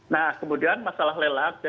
nah kemudian masalah lelang